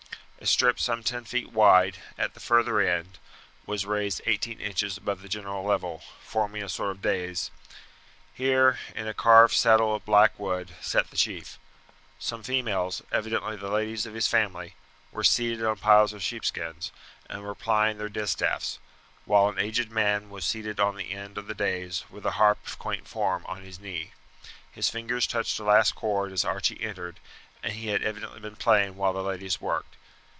A strip some ten feet wide, at the further end, was raised eighteen inches above the general level, forming a sort of dais. Here, in a carved settle of black wood, sat the chief. Some females, evidently the ladies of his family, were seated on piles of sheepskins, and were plying their distaffs; while an aged man was seated on the end of the dais with a harp of quaint form on his knee; his fingers touched a last chord as Archie entered, and he had evidently been playing while the ladies worked.